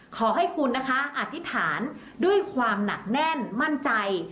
ขอให้คุณนะคะอธิษฐานด้วยความหนักแน่นมั่นใจ